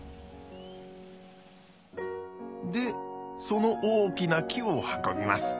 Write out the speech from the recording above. でその大きな木を運びます。